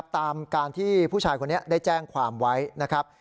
ตามการที่ผู้ชายคนนี้ได้แจ้งความไว้นะครับ